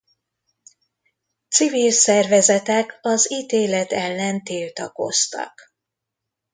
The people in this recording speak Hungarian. Civil szervezetek az ítélet ellen tiltakoztak.